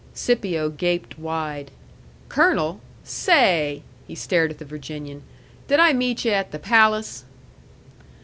Scipio gaped wide. "Colonel! Say!" He stared at the Virginian. "Did I meet yu' at the palace?"